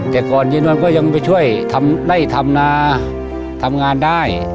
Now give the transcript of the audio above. แต่ก่อนเย็นวันก็ยังไปช่วยทำไล่ทำนาทำงานได้